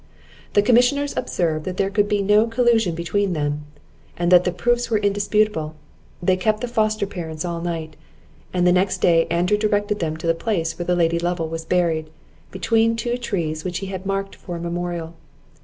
The commissioners observed, that there could be no collusion between them, and that the proofs were indisputable. They kept the foster parents all night; and the next day Andrew directed them to the place where the Lady Lovel was buried, between two trees which he had marked for a memorial.